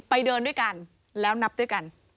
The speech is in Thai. เดินด้วยกันแล้วนับด้วยกัน